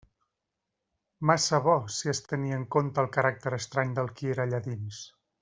Massa bo, si es tenia en compte el caràcter estrany del qui era allà dins.